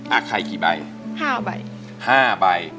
อะไข่กี่ใบ๕ใบ